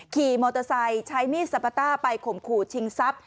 ขี่มอเตอร์ไซค์ใช้มีสับปะต้าไปขมขู่ชิงซับ